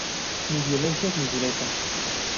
Ni violencias ni dureza.